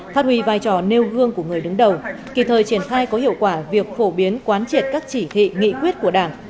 phát huy vai trò nêu gương của người đứng đầu kỳ thời triển khai có hiệu quả việc phổ biến quán triệt các chỉ thị nghị quyết của đảng